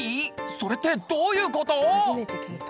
それってどういうこと？